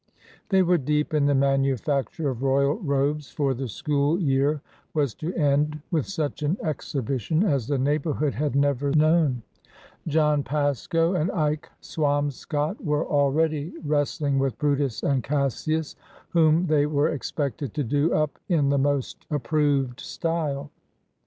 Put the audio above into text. They were deep in the manufacture of royal robes, for the school year was to end with such an exhibition as the neighborhood had never known. John Pasco and Ike Swamscott were already wres tling with Brutus and Cassius, whom they were ex pected to do up in the most approved style.